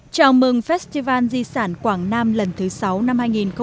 chào mừng festival di sản quảng nam lần thứ sáu năm hai nghìn một mươi chín